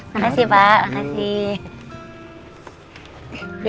makasih pak makasih